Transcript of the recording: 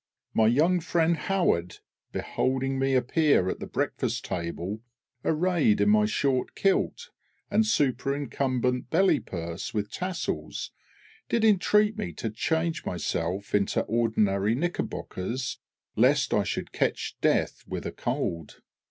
My young friend HOWARD, beholding me appear at the breakfast table arrayed in my short kilt and superincumbent belly purse with tassels, did entreat me to change myself into ordinary knickerbockers, lest I should catch death with a cold.